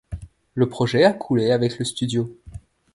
Le projet a coulé avec le studio.